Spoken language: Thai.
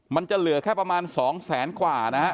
มันจะเหลือแค่ประมาณ๒แสนกว่านะฮะ